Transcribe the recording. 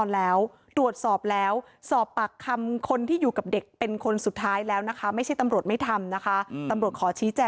แล้ววันนี้เขาไปไหนฮะ